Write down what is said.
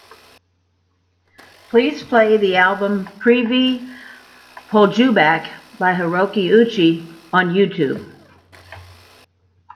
Please play the album Prvi Poljubac by Hiroki Uchi on Youtube.